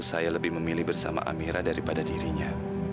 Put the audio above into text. saya lebih memilih bersama amira daripada dirinya